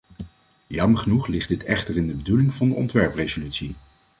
Jammer genoeg ligt dit echter in de bedoeling van de ontwerpresolutie.